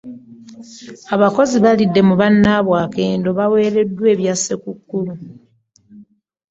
Abakozi abalidde mu bannabwe akendo baweereddwa ebya ssekkukulu.